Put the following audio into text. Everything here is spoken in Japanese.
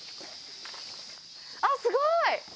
あっ、すごい！